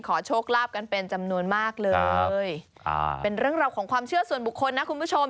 โชคลาภกันเป็นจำนวนมากเลยอ่าเป็นเรื่องราวของความเชื่อส่วนบุคคลนะคุณผู้ชม